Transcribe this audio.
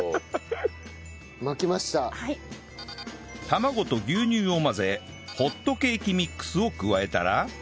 卵と牛乳を混ぜホットケーキミックスを加えたら